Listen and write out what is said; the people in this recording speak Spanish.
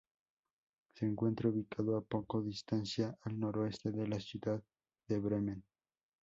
Se encuentra ubicado a poca distancia al noreste de la ciudad de Bremen.